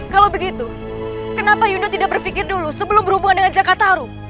kalau begitu kenapa yunda tidak berpikir dulu sebelum berhubungan dengan jakartaro